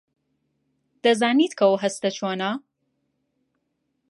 دەزانیت کە ئەو هەستە چۆنە؟